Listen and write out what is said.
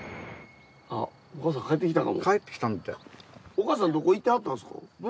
お母さんどこ行ってはったんですか？